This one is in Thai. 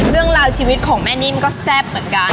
เรื่องราวชีวิตของแม่นิ่มก็แซ่บเหมือนกัน